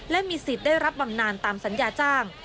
และมีสิทธิ์ได้รับบำนานตามสัญญาจ้าง